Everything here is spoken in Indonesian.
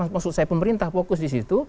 maksud saya pemerintah fokus disitu